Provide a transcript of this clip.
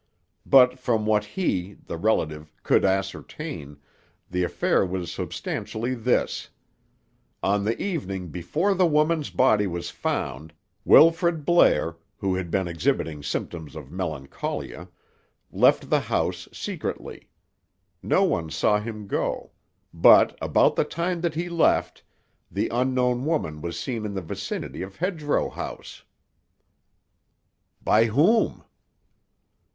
But from what he, the relative, could ascertain, the affair was substantially this: On the evening before the woman's body was found, Wilfrid Blair, who had been exhibiting symptoms of melancholia, left the house secretly. No one saw him go; but, about the time that he left, the unknown woman was seen in the vicinity of Hedgerow House." "By whom?"